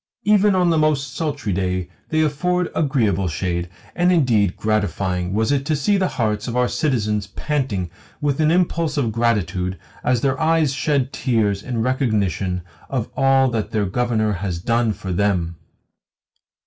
Even on the most sultry day they afford agreeable shade, and indeed gratifying was it to see the hearts of our citizens panting with an impulse of gratitude as their eyes shed tears in recognition of all that their Governor has done for them!"